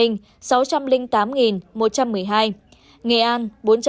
nghệ an bốn trăm tám mươi ba trăm sáu mươi sáu